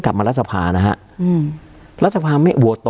การแสดงความคิดเห็น